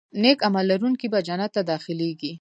نیک عمل لرونکي به جنت ته داخلېږي.